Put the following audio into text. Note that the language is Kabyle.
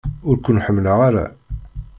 Ur ken-ḥemmleɣ ara!